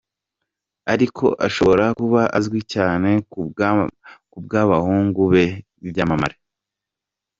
Ariko ashobora kuba azwi cyane ku bw'abahungu be b'ibyamamare.